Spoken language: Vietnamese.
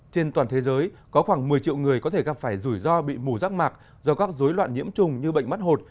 trên toàn thế giới có khoảng một mươi triệu người có thể gặp phải rủi ro bị mù giác mạc do các dối loạn nhiễm trùng như bệnh mắt hột